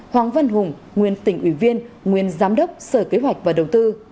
hoàng văn hùng nguyên tỉnh ủy viên nguyên giám đốc sở kế hoạch và đầu tư